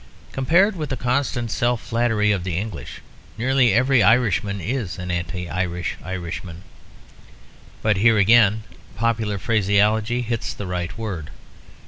Compared with the constant self flattery of the English, nearly every Irishman is an anti Irish Irishman. But here again popular phraseology hits the right word.